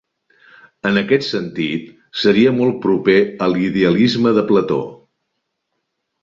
En aquest sentit, seria molt proper a l'idealisme de Plató.